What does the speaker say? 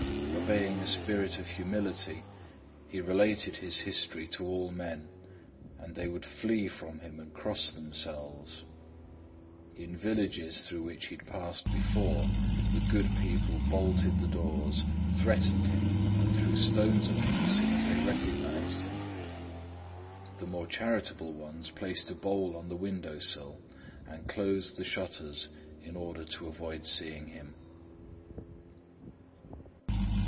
Obeying a spirit of humility, he related his history to all men, and they would flee from him and cross themselves. In villages through which he had passed before, the good people bolted the doors, threatened him, and threw stones at him as soon as they recognised him. The more charitable ones placed a bowl on the window sill and closed the shutters in order to avoid seeing him.